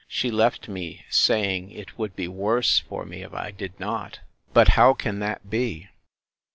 She left me, saying, it would be worse for me, if I did not. But how can that be?